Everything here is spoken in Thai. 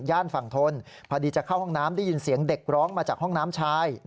ฝั่งทนพอดีจะเข้าห้องน้ำได้ยินเสียงเด็กร้องมาจากห้องน้ำชาย